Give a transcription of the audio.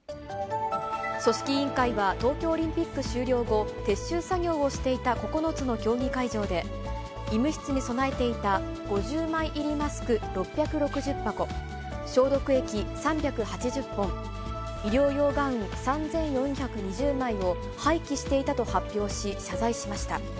組織委員会は、東京オリンピック終了後、撤収作業をしていた９つの競技会場で、医務室に備えていた５０枚入りマスク６６０箱、消毒液３８０本、医療用ガウン３４２０枚を廃棄していたと発表し、謝罪しました。